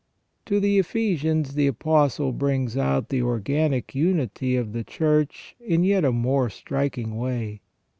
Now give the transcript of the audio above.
To the Ephesians the Apostle brings out the organic unity of the Church in a yet more striking way.